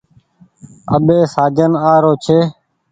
اٻي سآجن آ رو ڇي۔